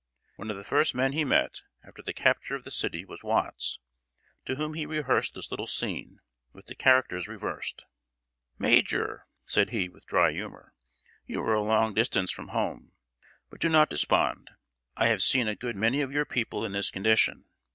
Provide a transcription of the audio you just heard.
One of the first men he met, after the capture of the city, was Watts, to whom he rehearsed this little scene, with the characters reversed. "Major," said he, with dry humor, "you are a long distance from home! But do not despond; I have seen a good many of your people in this condition.